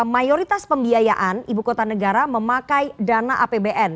mayoritas pembiayaan ibu kota negara memakai dana apbn